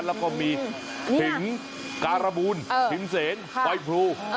แล้วก็มีขิงการบูลขิงเสนไฟพรู